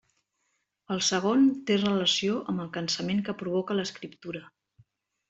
El segon, té relació amb el cansament que provoca l'escriptura.